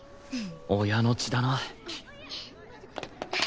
親の血だな